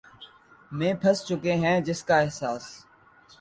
میں پھنس چکے ہیں جس کا احساس